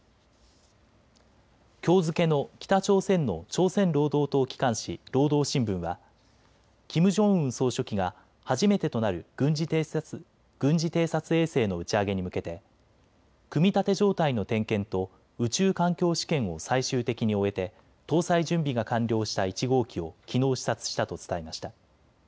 きょう付けの北朝鮮の朝鮮労働党機関紙、労働新聞はキム・ジョンウン総書記が初めてとなる軍事偵察衛星の打ち上げに向けて組み立て状態の点検と宇宙環境試験を最終的に終えて搭載準備が完了した１号機をきのう視察したと伝えました。